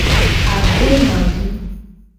Axwenovi.